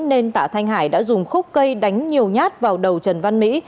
nên tạ thanh hải đã dùng khúc cây đánh nhiều nhát vào đầu trần văn mỹ